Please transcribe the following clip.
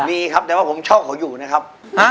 มีครับแต่ว่าผมชอบเขาอยู่นะครับ